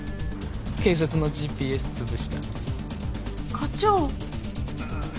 警察のＧＰＳつぶした課長ああ